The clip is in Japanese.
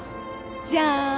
じゃーん。